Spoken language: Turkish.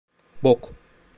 Bok!